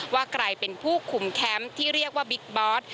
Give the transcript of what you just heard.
ว่าใครเป็นผู้คุมแคมป์ที่เรียกว่าบิ๊กบอส